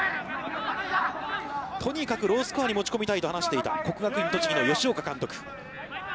とにかくロースコアに持ち込みたいと話していた国学院栃木の吉岡監督。